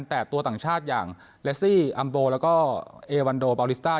แต่ตัวต่างชาติอย่างเลซี่อัมโบแล้วก็เอวันโดปาริสต้า